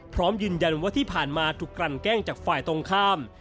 พร้อมยืนยันว่าที่ผ่านมาถูกกลั่นแกล้งจากฝ่ายตรงข้าม